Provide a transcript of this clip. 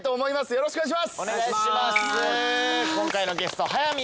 よろしくお願いします。